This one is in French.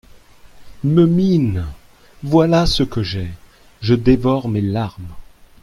me mine !… voilà ce que j’ai ! je dévore mes larmes !….